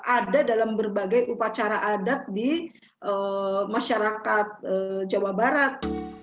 ada dalam berbagai upacara adat di masyarakat jawa barat